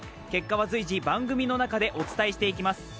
結果は随時、番組の中でお伝えしていきます。